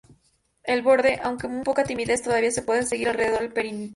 El borde, aunque con poca nitidez, todavía se puede seguir alrededor del perímetro.